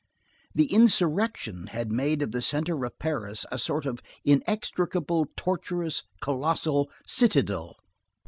The insurrection had made of the centre of Paris a sort of inextricable, tortuous, colossal citadel.